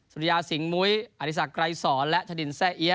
สุริยาสิงห์มุ้ยอธิษฐกรายสอนและชะดินแส้เอี๊ยะ